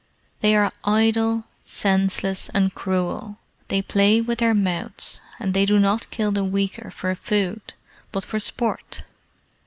They are idle, senseless, and cruel; they play with their mouths, and they do not kill the weaker for food, but for sport.